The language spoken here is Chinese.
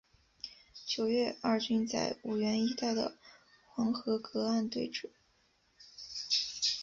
九月两军在五原一带的黄河隔岸对峙。